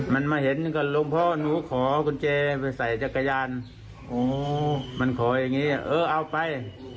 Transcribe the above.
มันมาเห็นก่อนหลวงพ่อหนูขอกุญแจไปใส่จักรยานโอ้มันขออย่างนี้เออเอาไป